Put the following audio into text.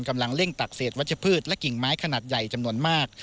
กำลังเร่งตักเศษวัชพืชและกิ่งไม้ขนาดใหญ่จำนวนมาก